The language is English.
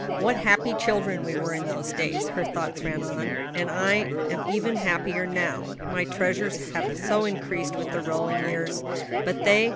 "What happy children we were in those days," her thoughts ran on; "and I am even happier now, my treasures have so increased with the rolling years; but they!